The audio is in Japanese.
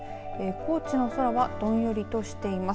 高知の空はどんよりとしています。